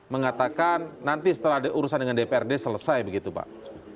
mengatakan nanti setelah ada urusan dengan dprd selesai begitu pak